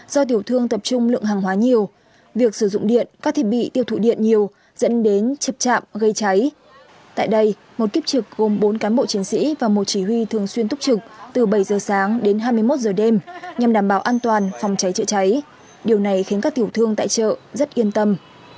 do tiểu thương tập trung lượng hàng hóa nhiều việc sử dụng điện các thiết bị tiêu thụ điện nhiều dẫn đến chập chạm gây cháy tại đây một kiếp trực gồm bốn cán bộ chiến sĩ và một chỉ huy thường xuyên túc trực từ bảy giờ sáng đến hai mươi một giờ đêm nhằm đảm bảo an toàn phòng cháy chữa cháy điều này khiến các tiểu thương tại chợ rất yên tâm